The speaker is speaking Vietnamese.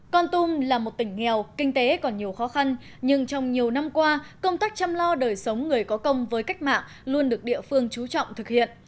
con tum là một tỉnh nghèo kinh tế còn nhiều khó khăn nhưng trong nhiều năm qua công tác chăm lo đời sống người có công với cách mạng luôn được địa phương trú trọng thực hiện